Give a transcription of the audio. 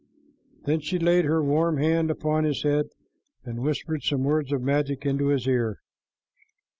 Then she laid her warm hand upon his head, and whispered some words of magic into his ear.